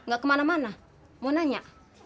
gak kemana mana mau nanya